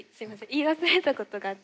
言い忘れたことがあって。